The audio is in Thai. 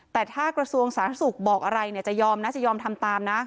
แต่ถ้ากระทรวงสาธารณสุขบอกอะไรเนี่ยจะยอมนะจะยอมทำตามนะ